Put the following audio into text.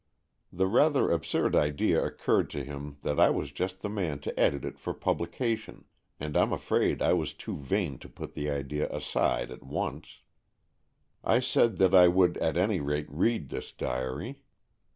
The rather absurd idea occurred to him that I was just the man to edit it for publication, and Pm afraid I was too vain to put the idea aside at once. I said that I would at any rate read this diary.